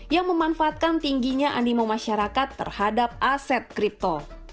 yang memanfaatkan tingginya animo masyarakat terhadap aset kripto